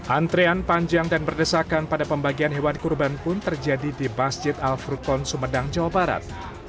antrean panjang dan berdesakan pada pembagian hewan kurban pun terjadi di masjid al frukun sumedang jawa barat